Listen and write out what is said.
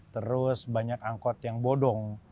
terus banyak angkot yang bodong